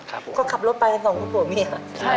ก็คือกลับรถไปส่งกับผู้ป่าวเมีย